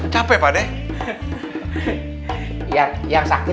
capek yang sakit